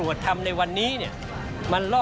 ส่วนต่างกระโบนการ